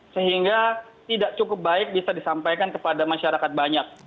sehingga tidak cukup baik bisa disampaikan kepada masyarakat banyak